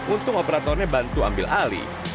untung operatornya bantu ambil alih